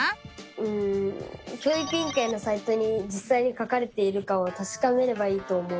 うん教育委員会のサイトにじっさいに書かれているかをたしかめればいいと思う！